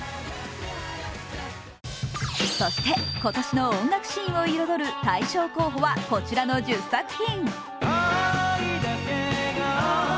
そして今年の大賞候補を彩る大賞候補はこちらの１０作品。